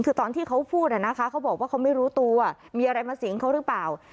คือตอนที่เขาพูดนะคะเขาบอกว่าเขาไม่รู้ตัวมีอะไรมาสิงเขาหรือเปล่า